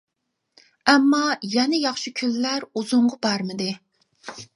ئەمما يەنە ياخشى كۈنلەر ئۇزۇنغا بارمىدى.